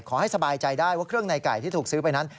สบายใจได้ว่าเครื่องในไก่ที่ถูกซื้อไปนั้น